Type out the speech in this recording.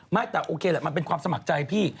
ไม่แต่โอเคแหละมันเป็นความสมัครใจพี่